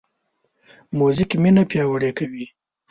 موزیک مینه پیاوړې کوي.